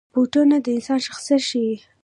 بوټونه د انسان شخصیت ښيي.